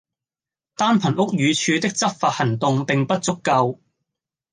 單憑屋宇署的執法行動並不足夠